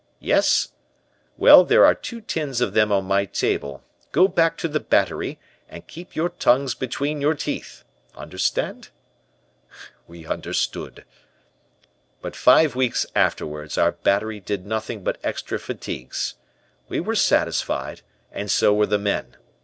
Yes? Well there are two tins of them on my table. Go back to the battery, and keep your tongues between your teeth. Understand?' "We understood. "But five weeks afterwards our battery did nothing but extra fatigues. We were satisfied and so were the men.